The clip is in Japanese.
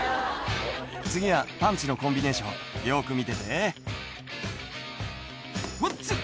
「次はパンチのコンビネーションよく見てて」「ワン・ツー！